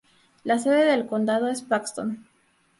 La sede del condado es Paxton.